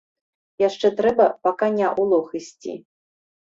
Яшчэ трэба па каня ў лог ісці.